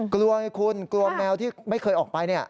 กลัวไงคุณกลัวแมวที่ไม่เคยออกไป